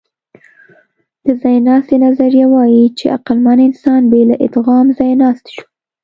د ځایناستي نظریه وايي، چې عقلمن انسان بې له ادغام ځایناستی شو.